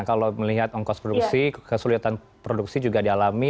kalau melihat ongkos produksi kesulitan produksi juga dialami